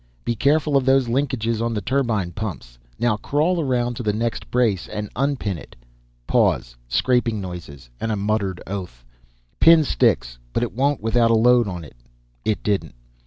Be careful of those linkages on the turbine pumps. Now crawl around to the next brace and unpin it." Pause, scraping noises, and a muttered oath. "Pin sticks, but it won't without a load on it." It didn't.